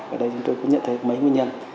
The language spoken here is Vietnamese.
ở đây chúng tôi cũng nhận thấy mấy nguyên nhân